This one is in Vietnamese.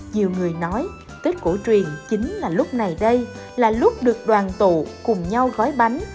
nhiều người nói tết cổ truyền chính là lúc này đây là lúc được đoàn tụ cùng nhau gói bánh